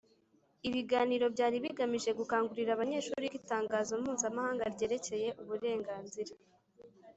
Ibiganiro byari bigamije gukangurira abanyeshuri uko Itangazo Mpuzamahanga ryerekeye uburenganzira